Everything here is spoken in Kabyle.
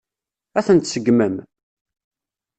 Ad ten-tseggmem?